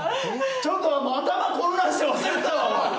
ちょっと頭混乱して忘れてたわおい。